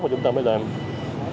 và chúng ta mới đi qua